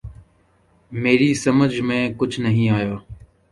میری سمجھ میں کچھ نہ آیا۔